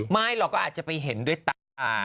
ไม่หรอกก็อาจจะไปเห็นด้วยตา